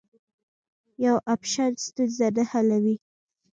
یو اپشن ستونزه نه حلوي.